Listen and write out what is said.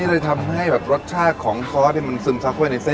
เลยทำให้แบบรสชาติของซอสมันซึมซักไว้ในเส้น